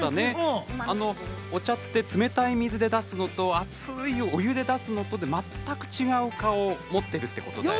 お茶って冷たい水で出すのと熱いお湯で出すのとでまったく違う顔を持っているということだね。